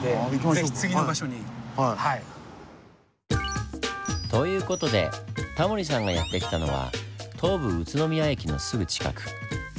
是非次の場所に。という事でタモリさんがやって来たのは東武宇都宮駅のすぐ近く。